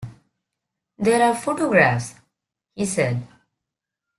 “There are photographs,” he said.